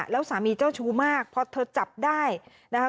แล้วสามีเจ้าชู้มากพอเธอจับได้นะคะ